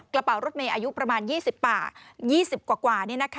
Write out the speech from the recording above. กระเป๋ารถเมย์อายุประมาณ๒๐กว่า